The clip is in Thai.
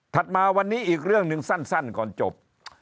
มาวันนี้อีกเรื่องหนึ่งสั้นก่อนจบ